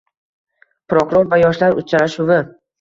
Prokuror va yoshlar uchrashuvi